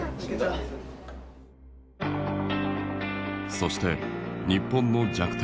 そして日本の弱点